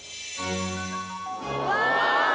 うわ！